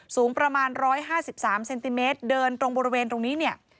สูงประมาณ๑๕๓เซนติเมตรเดินตรงบริเวณตรงนี้เนี่ย